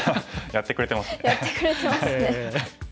やってくれてますね。